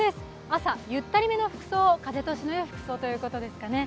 朝、ゆったりめの服装、風通しのいい服装ということですね。